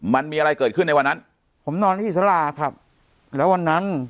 มันมีอะไรเกิดขึ้นในวันนั้นผมนอนที่อิสระครับแล้ววันนั้น